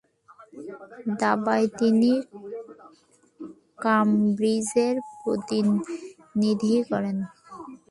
দাবায় তিনি ক্যামব্রিজের প্রতিনিধিত্ব করেন।